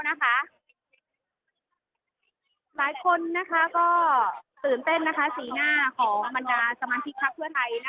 หลายคนก็ตื่นเต้นสีหน้าของบรรดาสมันติธรรมชาติเพื่อไทย